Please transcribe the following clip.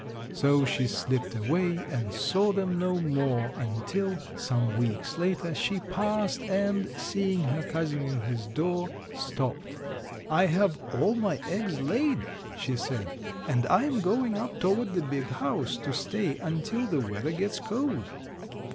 So she slipped away and saw them no more until, some weeks later, she passed and, seeing her cousin in his door, stopped: "I have all my eggs laid," she said, "and I'm going up toward the big house to stay until the weather gets cold."